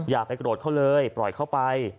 อย่าไปโกรธเขาเลยปล่อยเข้าไป